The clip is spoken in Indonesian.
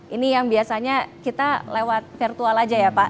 ini yang biasanya kita lewat virtual aja ya pak